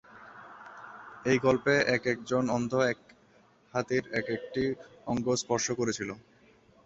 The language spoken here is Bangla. এই গল্পে এক এক জন অন্ধ এক হাতির এক একটি অঙ্গ স্পর্শ করেছিল।